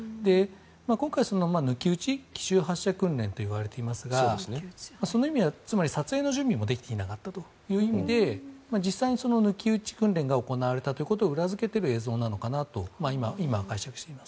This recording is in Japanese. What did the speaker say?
今回、抜き打ち奇襲発射訓練といわれていますがつまり撮影の準備ができなかったという意味で実際に抜き打ち訓練が行われたということを裏付けている映像なのかなと今、解釈しています。